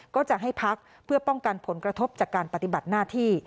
ก็จะให้พักเพื่อป้องกันผลกระทบจากการปฏิบัติหน้าที่